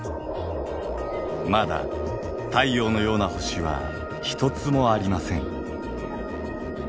まだ太陽のような星は１つもありません。